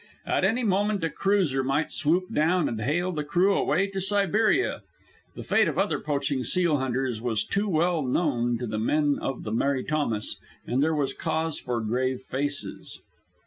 At any moment a cruiser might swoop down and hale the crew away to Siberia. The fate of other poaching seal hunters was too well known to the men of the Mary Thomas, and there was cause for grave faces.